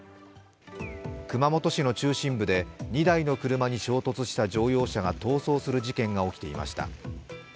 熊本市の中心部で２台の車に衝突した乗用車が逃走する事件が起きていました。